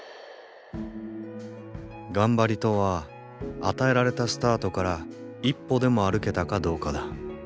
頑張りとは与えられたスタートから一歩でも歩けたかどうかだ。